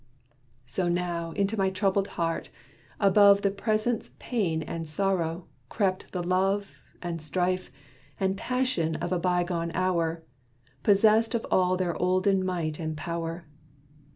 So now into my troubled heart, above The present's pain and sorrow, crept the love And strife and passion of a by gone hour, Possessed of all their olden might and power.